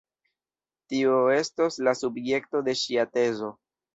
Tio estos la subjekto de ŝia tezo...